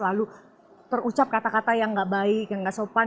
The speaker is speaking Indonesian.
lalu terucap kata kata yang gak baik yang gak sopan